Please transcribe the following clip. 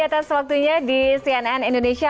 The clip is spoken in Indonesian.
atas waktunya di cnn indonesia